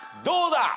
どうだ！？